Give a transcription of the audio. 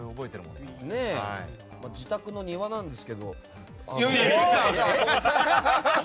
まあ、自宅の庭なんですけど。